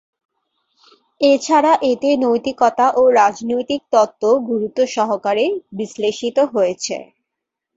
এছাড়া এতে নৈতিকতা ও রাজনৈতিক তত্ত্ব গুরুত্ব সহকারে বিশ্লেষিত হয়েছে।